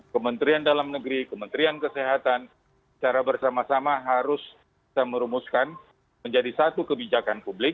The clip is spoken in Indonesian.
kementerian dalam negeri kementerian kesehatan secara bersama sama harus bisa merumuskan menjadi satu kebijakan publik